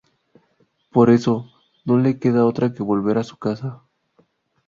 Por eso, no le queda otra que volver a su casa.